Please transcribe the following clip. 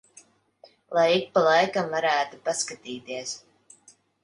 Lai ik pa laikam varētu paskatīties.